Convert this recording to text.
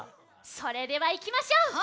それではいきましょう！